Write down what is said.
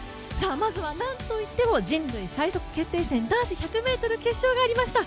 まずはなんといっても人類最速決定戦男子１００ｍ決勝がありました。